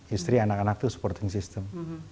istri anak anak itu supporting system